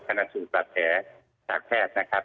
ขณะสูตรปรับแทนทีนจากแพทย์นะครับ